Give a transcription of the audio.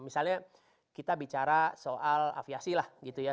misalnya kita bicara soal aviasi lah gitu ya